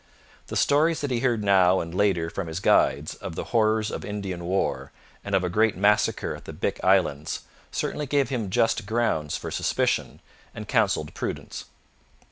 The stories that he heard now and later from his guides of the horrors of Indian war and of a great massacre at the Bic Islands certainly gave him just grounds for suspicion and counselled prudence.